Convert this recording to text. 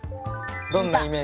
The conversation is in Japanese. どんなイメージ？